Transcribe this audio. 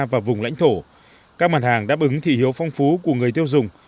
và vùng lãnh thổ các mặt hàng đáp ứng thị hiếu phong phú của người tiêu dùng